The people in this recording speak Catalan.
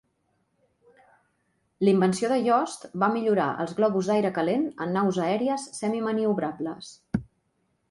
L invenció de Yost va millorar els globus d'aire calent en naus aèries semi-maniobrables.